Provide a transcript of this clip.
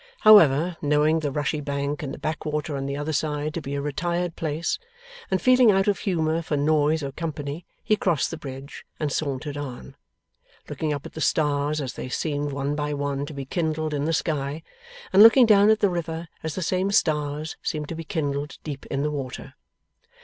However, knowing the rushy bank and the backwater on the other side to be a retired place, and feeling out of humour for noise or company, he crossed the bridge, and sauntered on: looking up at the stars as they seemed one by one to be kindled in the sky, and looking down at the river as the same stars seemed to be kindled deep in the water.